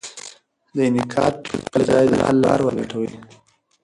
د انتقاد په ځای د حل لار ولټوئ.